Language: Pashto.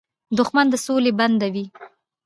دښمن د سولې بنده وي